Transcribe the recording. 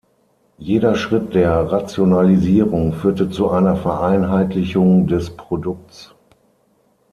Jeder Schritt der Rationalisierung führte zu einer Vereinheitlichung des Produkts.